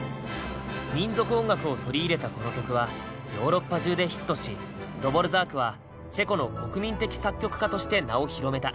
民族音楽を取り入れたこの曲はヨーロッパ中でヒットしドヴォルザークはチェコの国民的作曲家として名を広めた。